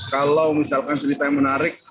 kalau misalkan cerita yang menarik